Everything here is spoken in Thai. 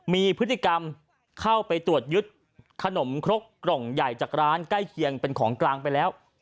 มีพฤติกรรมเข้าไปตรวจยึดขนมครกกล่องใหญ่จากร้านใกล้เคียงเป็นของกลางไปแล้ว